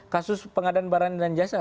kasus pengadaan barang dan jasa